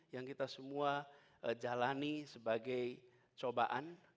yang kita semua jalani sebagai cobaan